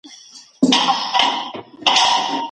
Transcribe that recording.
هغه په ګڼګوڼه کې خپله لاره پیدا کړه.